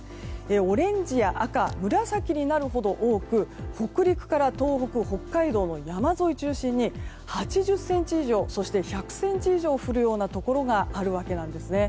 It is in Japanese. オレンジや赤、紫になるほど多く北陸から東北北海道の山沿いを中心に８０ｃｍ以上そして１００ｃｍ以上降るようなところがあるわけなんですね。